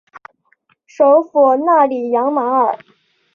首府纳里扬马尔。